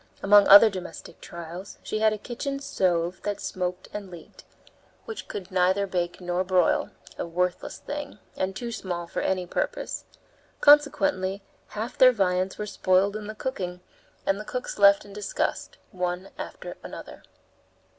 Among other domestic trials, she had a kitchen stove that smoked and leaked, which could neither bake nor broil, a worthless thing, and too small for any purpose. Consequently half their viands were spoiled in the cooking, and the cooks left in disgust, one after another.